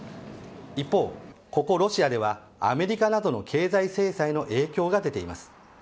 一方、ここロシアではアメリカなどの経済制裁の影響が出ています。